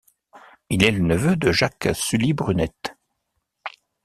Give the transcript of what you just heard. Il est le neveu de Jacques Sully Brunet.